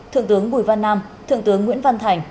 thượng tướng bùi văn nam thượng tướng nguyễn văn thành